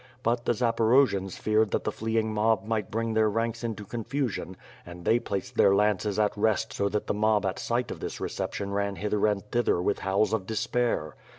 But the Za porojians feared that the fleeing mob might bring their ranks into confusion and they placed their lances at rest so that the mob at sight of this reception ran hither and thither with howls of despair.